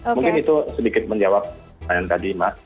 mungkin itu sedikit menjawab pertanyaan tadi mas